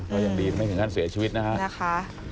ก็ยังดีไม่ถึงขั้นเสียชีวิตนะคะ